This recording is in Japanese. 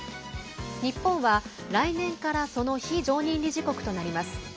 日本は、来年からその非常任理事国となります。